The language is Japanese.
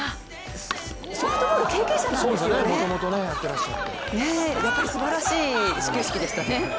ソフトボール経験者なんですよね、やっぱりすばらしい始球式でしたね。